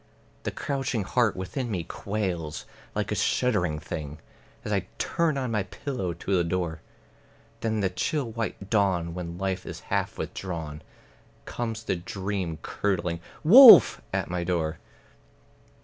The crouching heart within me quails like a shuddering thing, As I turn on my pillow to the door; Then in the chill white dawn, when life is half withdrawn, Comes the dream curdling "Wolf!" at my door.